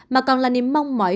mà còn là niềm mong mỏi